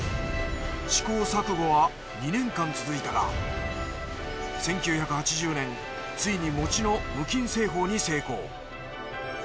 試行錯誤は２年間続いたが１９８０年ついに餅の無菌製法に成功。